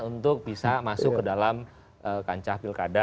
untuk bisa masuk ke dalam kancah pilkada